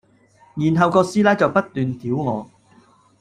然後個師奶就不斷屌我